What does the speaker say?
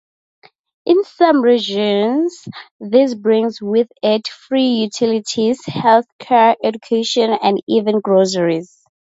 In some regions, this brings with it free utilities, healthcare, education, and even groceries.